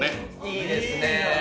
いいですね。